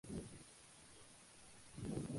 Rara vez bajaron de diez mil personas.